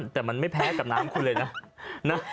แต่มันไม่แพ้กับน้ำคุณเลยนะ